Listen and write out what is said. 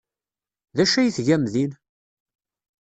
D acu ay tgam din?